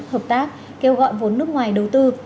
hợp tác kêu gọi vốn nước ngoài đầu tư